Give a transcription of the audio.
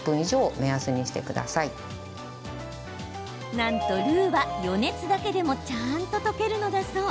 なんと、ルーは余熱だけでもちゃんと溶けるのだそう。